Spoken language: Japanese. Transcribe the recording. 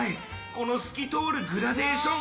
この透き通るグラデーション。